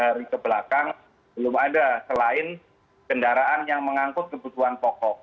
dari ke belakang belum ada selain kendaraan yang mengangkut kebutuhan pokok